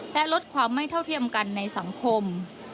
และลดความไม่เท่าเทียมกันในสังคม